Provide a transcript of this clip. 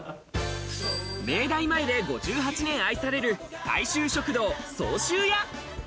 明大前で５８年愛される大衆食堂、相州屋。